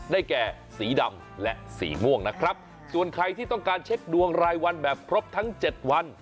แก่สีดำและสีม่วงนะครับส่วนใครที่ต้องการเช็คดวงรายวันแบบครบทั้งเจ็ดวัน